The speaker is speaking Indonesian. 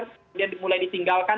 kemudian mulai ditinggalkan